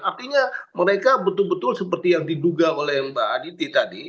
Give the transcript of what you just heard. artinya mereka betul betul seperti yang diduga oleh mbak aditi tadi